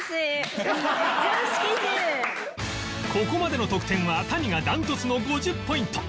ここまでの得点は谷が断トツの５０ポイント